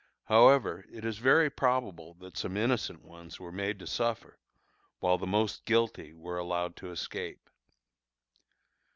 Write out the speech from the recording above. However, it is very probable that some innocent ones were made to suffer, while the most guilty were allowed to escape.